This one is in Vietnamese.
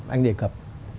anh đề cập